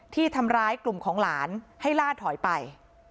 ที่ทำร้ายกลุ่มของหลานให้ล่าถอยไป